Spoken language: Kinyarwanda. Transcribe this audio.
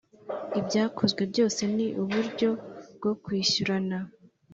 ibyakozwe byose n uburyo bwo kwishyurana